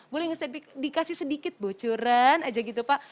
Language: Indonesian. boleh dikasih sedikit bocoran aja gitu pak